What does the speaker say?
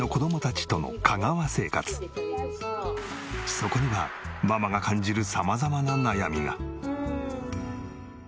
そこにはママが感じる様々な悩みが。